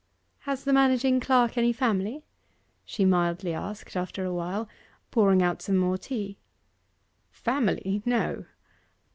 'Has the managing clerk any family?' she mildly asked, after a while, pouring out some more tea. 'Family; no!